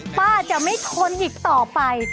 ป้าจะไม่ทนอีกต่อไป